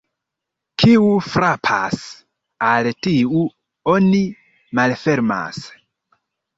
Kiu frapas, al tiu oni malfermas.